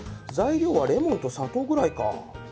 材料はレモンと砂糖ぐらいか。